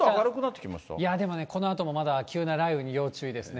でもね、このあともまだ急な雷雨に要注意ですね。